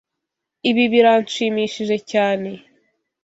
Ibi biranshimishije cyane.